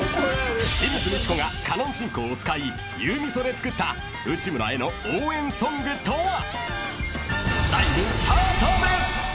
［清水ミチコがカノン進行を使いユーミソで作った内村への応援ソングとは？］